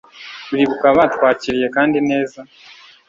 uribuka batwakiriye kandi neza